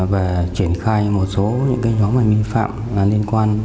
về triển khai một số những gây nhóm hành vi phạm liên quan